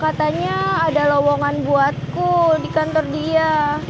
katanya ada lowongan buatku di kantor dia